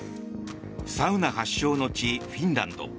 サウナ発祥の地フィンランド。